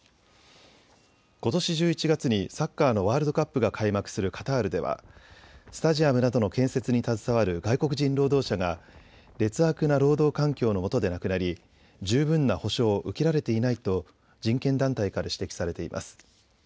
ことし１１月にサッカーのワールドカップが開幕するカタールではスタジアムなどの建設に携わる外国人労働者が劣悪な労働環境のもとで亡くなり十分な補償を受けられていないと人権団体から指摘されています。